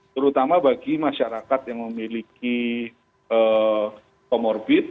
terutama bagi masyarakat yang memiliki comorbid